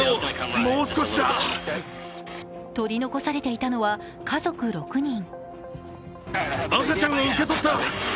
取り残されていたのは家族６人。